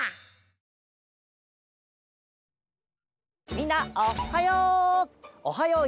みんなおはよう！